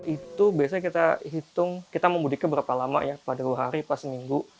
itu biasanya kita hitung kita mau mudiknya berapa lama ya pada dua hari pas seminggu